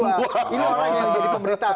nah ini orang yang jadi pemberitaan